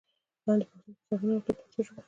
لاندې پوښتنو ته ځوابونه ورکړئ په پښتو ژبه.